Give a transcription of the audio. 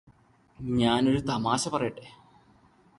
ഞാനൊരു തമാശ പറയട്ടെ